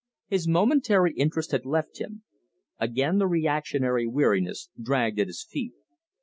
His momentary interest had left him. Again the reactionary weariness dragged at his feet.